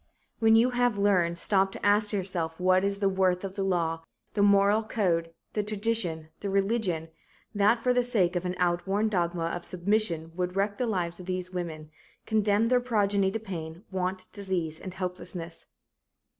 When you have learned, stop to ask yourself what is the worth of the law, the moral code, the tradition, the religion, that for the sake of an outworn dogma of submission would wreck the lives of these women, condemn their progeny to pain, want, disease and helplessness.